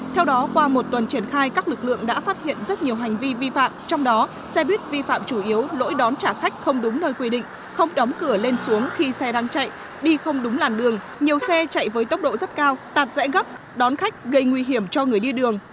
theo đó qua một tuần triển khai các lực lượng đã phát hiện rất nhiều hành vi vi phạm trong đó xe buýt vi phạm chủ yếu lỗi đón trả khách không đúng nơi quy định không đóng cửa lên xuống khi xe đang chạy đi không đúng làn đường nhiều xe chạy với tốc độ rất cao tạt rẽ gấp đón khách gây nguy hiểm cho người đi đường